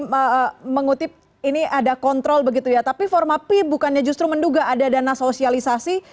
saya mengutip ini ada kontrol begitu ya tapi formapi bukannya justru menduga ada dana sosialisasi